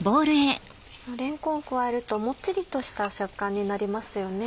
れんこんを加えるとモッチリとした食感になりますよね。